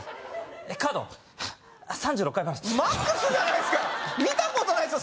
カード？３６回払いでマックスじゃないっすか見たことないっすよ